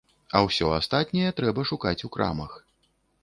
А ўсё астатняе трэба шукаць у крамах.